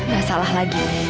gak salah lagi